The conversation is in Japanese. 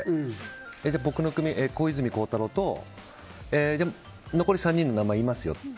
僕の組、小泉孝太郎と残り３人の名前言いますよと。